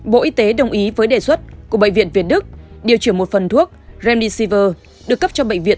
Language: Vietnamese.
bộ y tế đồng ý với đề xuất của bệnh viện việt đức điều trị một phần thuốc remdesivir được cấp cho bệnh viện